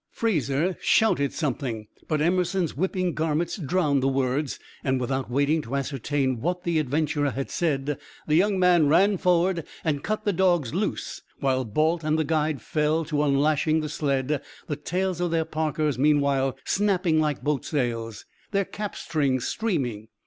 Fraser shouted something, but Emerson's whipping garments drowned the words, and without waiting to ascertain what the adventurer had said the young man ran forward and cut the dogs loose, while Balt and the guide fell to unlashing the sled, the tails of their parkas meanwhile snapping like boat sails, their cap strings streaming.